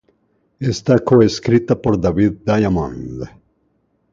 Esta coescrita por David Diamond.